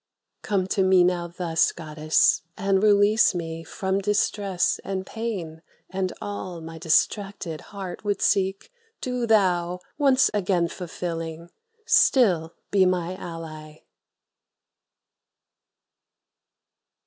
Come to me now thus, Goddess, and release me From distress and pain; and all my distracted Heart would seek, do thou, once again fulfilling, Still be my ally!